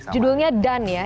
judulnya done ya